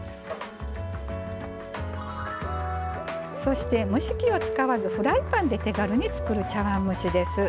そして、蒸し器を使わずフライパンで手軽に作る茶わん蒸しです。